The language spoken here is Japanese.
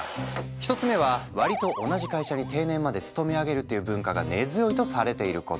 １つ目は割と同じ会社に定年まで勤め上げるという文化が根強いとされていること。